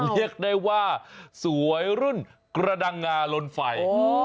เรียกได้ว่าสวยรุ่นกระดังงาลนไฟ